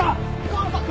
川野さん！？